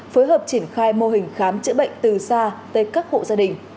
phối hợp triển khai mô hình khám chữa bệnh từ xa tới các hộ gia đình